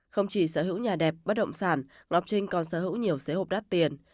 không chỉ sở hữu nhà đẹp bất động sản ngọc trinh còn sở hữu nhiều xé hộp đắt tiền